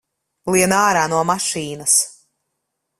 Lien ārā no mašīnas!